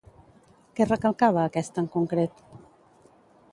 Què recalcava aquesta en concret?